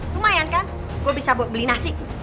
lumayan kan gue bisa beli nasi